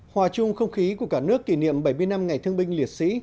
hòa chung không khí của cả nước kỷ niệm bảy mươi năm ngày thương binh liệt sĩ